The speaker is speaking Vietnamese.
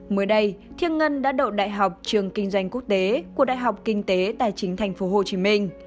mới đây thiêng ngân đã đậu đại học trường kinh doanh quốc tế của đại học kinh tế tài chính tp hcm